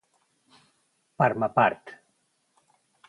Par ma part.